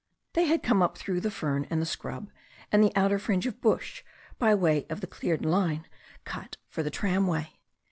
They had come up through the fern and the scrub and the outer fringe of bush by way of the cleared line cut for the tramway.